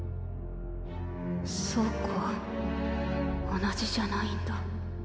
そうか同じじゃないんだ。